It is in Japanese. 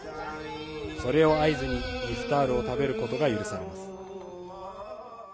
それを合図にイフタールを食べることが許されます。